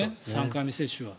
３回目接種は。